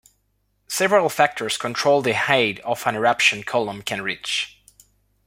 Several factors control the height that an eruption column can reach.